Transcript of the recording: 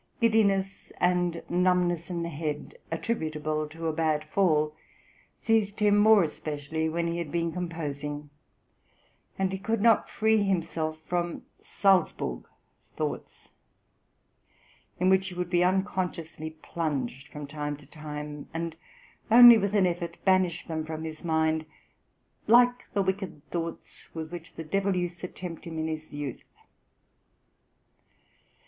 Giddiness and numbness in the head, attributable to a bad fall, seized him more especially when he had been composing, and he could not free himself from "Salzburg thoughts," in which he would be unconsciously plunged for some time, and only with an effort banish them from his mind "like the wicked thoughts with which the devil used to tempt him in his youth."